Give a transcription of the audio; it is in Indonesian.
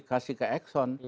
kasih ke exxon